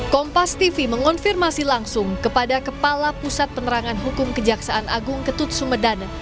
kompas tv mengonfirmasi langsung kepada kepala pusat penerangan hukum kejaksaan agung ketut sumedane